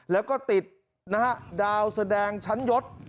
แล้วก็ติดนะฮะดาวแสดงชั้นยศ